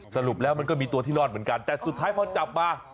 สรุปแล้วมันก็มีตัวที่รอดเหมือนกันแต่สุดท้ายพอจับมา